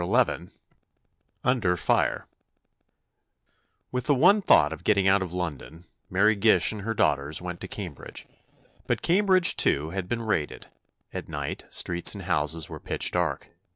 XI UNDER FIRE With the one thought of getting out of London, Mary Gish and her daughters went to Cambridge. But Cambridge, too, had been raided. At night, streets and houses were pitch dark.